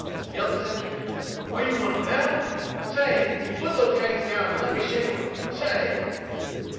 yelled the Sentry. "Are you one of them? Say! Put those hands down and let me shake 'em. Say!"